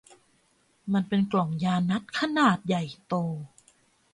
มันเป็นกล่องยานัตถุ์ขนาดใหญ่โต